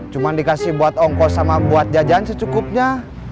cuma dikasih buat ongkos sama buat jajan secukupnya